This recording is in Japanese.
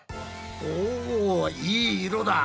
おいい色だ！